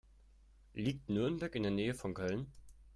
Liegt Nürnberg in der Nähe von Köln?